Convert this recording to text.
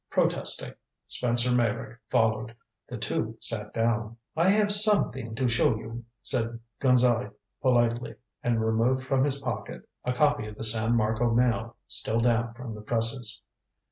Protesting, Spencer Meyrick followed. The two sat down. "I have something to show you," said Gonzale politely, and removed from his pocket a copy of the San Marco Mail, still damp from the presses.